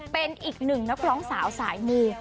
เป็นอีกหนึ่งนักร้องสาวสายมู